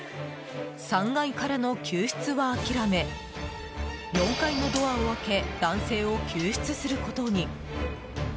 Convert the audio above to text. ３階からの救出は諦め４階のドアを開け男性を救出することに。